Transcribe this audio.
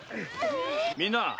みんな！